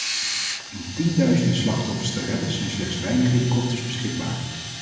Om tienduizenden slachtoffers te redden zijn slechts weinig helikopters beschikbaar.